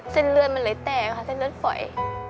เส้นเลือดมันเลยแตกค่ะเส้นเลือดฝอย